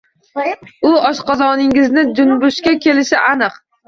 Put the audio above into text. U oshqozoningizni junbushga kelishi aniq.